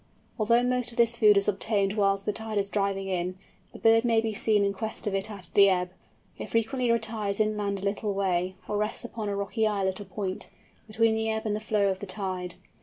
Although most of this food is obtained whilst the tide is driving in, the bird may be seen in quest of it at the ebb. It frequently retires inland a little way, or rests upon a rocky islet or point, between the ebb and the flow of the tide.